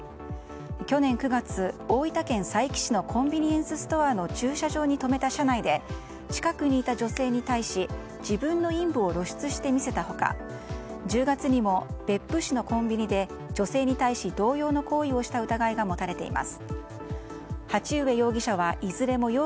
去年９月、大分県佐伯市のコンビニエンスストアの駐車場に止めた車内で近くにいた女性に対し自分の陰部を露出して見せた他１０月にも別府市のコンビニで女性に対し同様の行為をした疑いが持たれています。